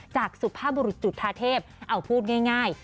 จากสุภาพบุรุษจุธาเทพเอาพูดง่าย